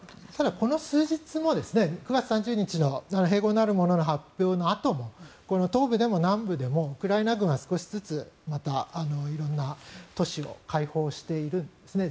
この数日も９月３０日の併合なるものの発表のあとも東部でも南部でもウクライナ軍は少しずつまた色んな都市を解放しているんですね。